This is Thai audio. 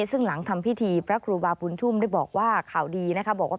ซึ่งหลังทำพิธีพระครูบาบุญชุมได้บอกว่า